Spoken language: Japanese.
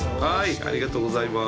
ありがとうございます。